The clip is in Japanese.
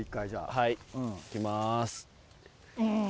はい行きます。